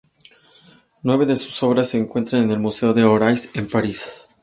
Nueve de sus obras se encuentran en el Museo de Orsay en París.